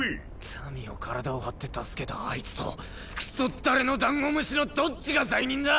民を体を張って助けたあいつとクソったれのダンゴ虫のどっちが罪人だ